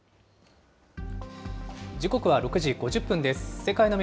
時刻は６時５０分です。